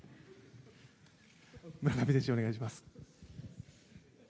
村上選手、お願いします。